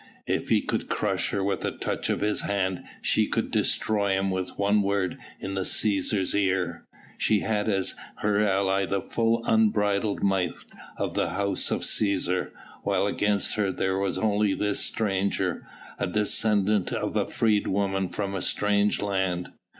If he could crush her with a touch of his hand, she could destroy him with one word in the Cæsar's ear. She had as her ally the full unbridled might of the House of Cæsar, while against her there was only this stranger, a descendant of a freedwoman from a strange land.